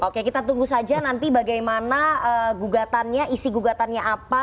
oke kita tunggu saja nanti bagaimana gugatannya isi gugatannya apa